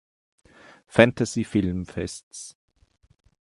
Fantasy Filmfests.